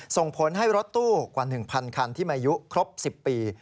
ส่งผลให้รถตู้กว่า๑๐๐คันที่มีอายุครบ๑๐ปี